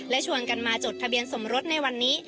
และชวนกันมาจดทะเบียนสมรสในวันนี้